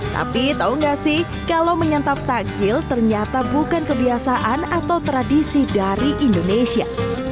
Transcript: tapi tau gak sih kalau menyentap takjil ternyata bukan kebiasaan atau tradisi dari indonesia